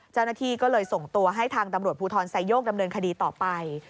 เจ้าหน้าที่ก็เลยส่งตัวให้ทางตำรวจภูทรไซโยกดำเนินคดีต่อไป